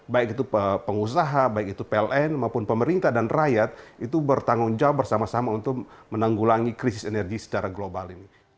baik itu pengusaha baik itu pln maupun pemerintah dan rakyat itu bertanggung jawab bersama sama untuk menanggulangi krisis energi secara global ini